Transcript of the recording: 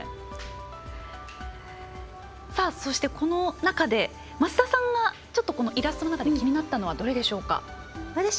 この中で増田さんがイラストの中で気になったのはどれでしょう。